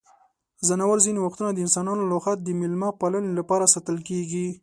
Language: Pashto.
ځناور ځینې وختونه د انسانانو لخوا د مېلمه پالنې لپاره ساتل کیږي.